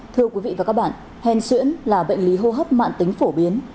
thưa quý vị và các bạn hèn xuyễn là bệnh lý hô hấp mạng tính phổ biến